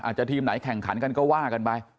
ทีมไหนแข่งขันกันก็ว่ากันไป